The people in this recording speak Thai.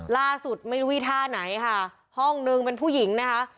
ล่าสุดไม่รู้วิท่าไหนค่ะห้องนึงเป็นผู้หญิงนะคะ